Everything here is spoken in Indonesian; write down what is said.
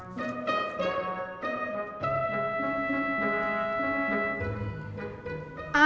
nggak ada apaan